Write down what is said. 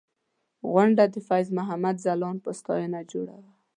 غونډه د فیض محمد ځلاند په ستاینه جوړه وه.